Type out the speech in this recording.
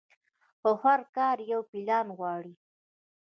خو هر کار يو پلان غواړي.